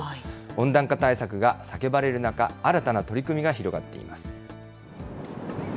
温暖化対策が叫ばれる中、新たな取り組みが広がっています。